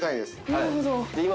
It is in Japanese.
なるほど。